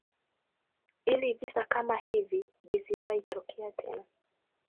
ilivisa kama hivi visiwahi tokea tena